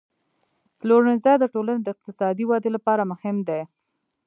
پلورنځی د ټولنې د اقتصادي ودې لپاره مهم دی.